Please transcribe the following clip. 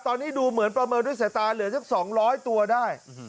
ตอนนี้ดูเหมือนประเมินฤทธิ์สตานเหลือถึง๒๐๐ตัวได้